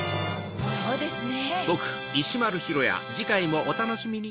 そうですね。